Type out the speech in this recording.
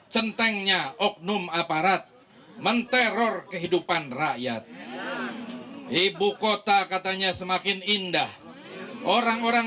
centengnya oknum aparat menteror kehidupan rakyat ibu kota katanya semakin indah orang orang